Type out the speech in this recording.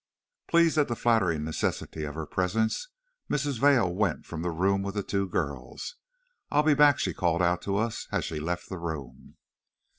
Pleased at the flattering necessity for her presence, Mrs. Vail went from the room with the two girls. "I'll be back," she called out to us, as she left the room.